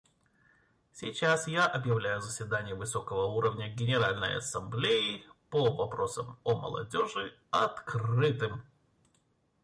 Сейчас я объявляю заседание высокого уровня Генеральной Ассамблеи по вопросам о молодежи открытым.